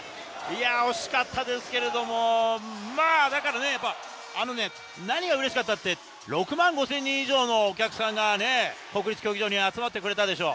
惜しかったですけど、何がうれしかったって、６万５０００人以上のお客さんが国立競技場に集まってくれたでしょ。